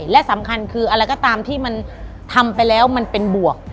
และสำคัญคืออะไรก็ตามที่มันทำไปแล้วมันเป็นบวก